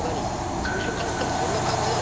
「事務所変わったらそんな感じなの？